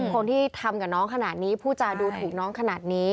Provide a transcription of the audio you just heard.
คนที่ทำกับน้องขนาดนี้ผู้จาดูถูกน้องขนาดนี้